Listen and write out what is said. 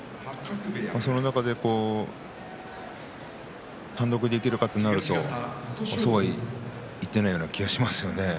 その中で単独でいけるかとなるとそうはいっていないような気がしますよね。